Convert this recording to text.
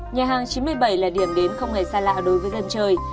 nhà hàng chín mươi bảy là điểm đến không hề xa lạ đối với dân chơi